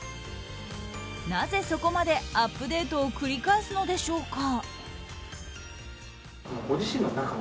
なぜ、そこまでアップデートを繰り返すのでしょうか。